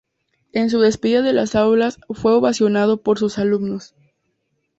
En su despedida de las aulas fue ovacionado por sus alumnos.